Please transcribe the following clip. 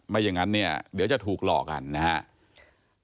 อย่างนั้นเนี่ยเดี๋ยวจะถูกหลอกกันนะครับ